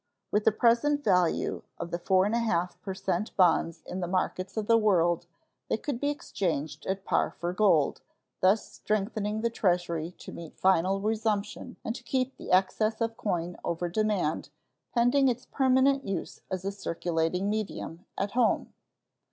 With the present value of the 4 1/2 per cent bonds in the markets of the world, they could be exchanged at par for gold, thus strengthening the Treasury to meet final resumption and to keep the excess of coin over demand, pending its permanent use as a circulating medium, at home.